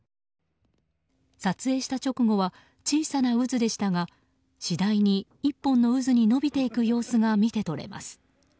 撮影した直後は小さな渦でしたが次第に１本の渦に延びていく様子が見て取れます。